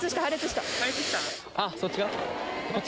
あっそっち側？